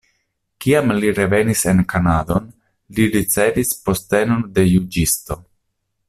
Kiam li revenis en Kanadon, li ricevis postenon de juĝisto.